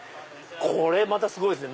これまたすごいですね！